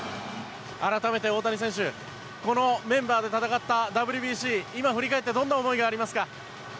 改めて大谷選手このメンバーで戦ったＷＢＣ今、振り返ってどんな思いがありますか？